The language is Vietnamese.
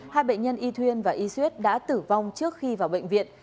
hai bệnh nhân y thuyên và y xuyết đã tử vong trước khi vào bệnh viện